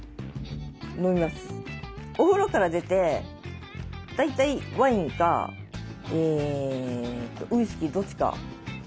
お風呂から出て大体ワインかウイスキーどっちかをグラス１杯。